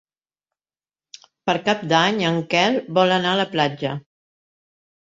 Per Cap d'Any en Quel vol anar a la platja.